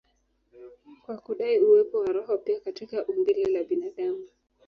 kwa kudai uwepo wa roho pia katika umbile la binadamu.